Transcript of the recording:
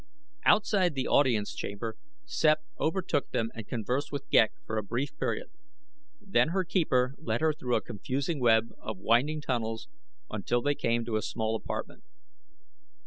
Outside the audience chamber Sept overtook them and conversed with Ghek for a brief period, then her keeper led her through a confusing web of winding tunnels until they came to a small apartment.